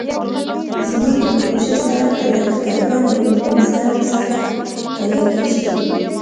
زما د پروژې سرک د لښکرګاه له عمومي سرک څخه جلا کیږي